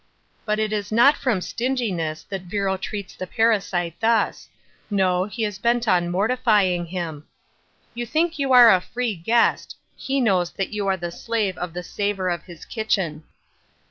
But it is not from stinginess that Virro treats the parasite thus ; no, he is bent on mortifying him.f " You think you are a free guest ; he knows that you are the slave of the savour of his kitchen.